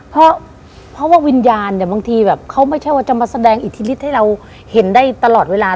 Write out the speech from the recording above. เพราะว่าวิญญาณเนี่ยบางทีแบบเขาไม่ใช่ว่าจะมาแสดงอิทธิฤทธิให้เราเห็นได้ตลอดเวลา